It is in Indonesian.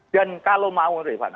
dan kalau mau riva